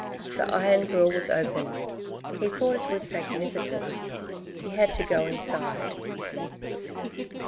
The iron grill was open. He thought it was magnificent. He had to go inside.